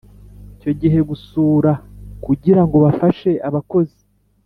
Igihe cyo gusura kugira ngo bafashe abakozi